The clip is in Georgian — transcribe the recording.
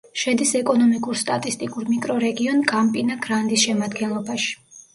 შედის ეკონომიკურ-სტატისტიკურ მიკრორეგიონ კამპინა-გრანდის შემადგენლობაში.